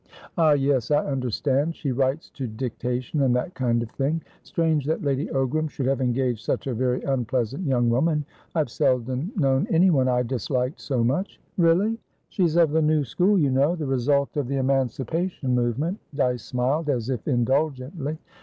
"Ah, yes, I understand. She writes to dictation, and that kind of thing. Strange that Lady Ogram should have engaged such a very unpleasant young woman. I've seldom known anyone I disliked so much." "Really? She's of the new school, you know; the result of the emancipation movement." Dyce smiled, as if indulgently.